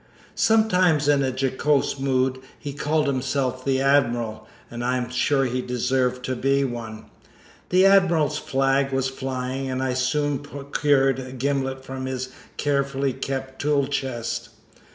Sometimes in a jocose mood he called himself the Admiral, and I am sure he deserved to be one. The Admiral's flag was flying, and I soon procured a gimlet from his carefully kept tool chest.